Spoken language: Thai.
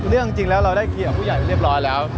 คือเรื่องจริงแล้วเราได้เคลียร์ผู้ใหญ่เรียบร้อยแล้ว